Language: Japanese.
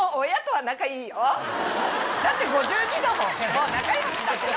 もう仲良しだけど。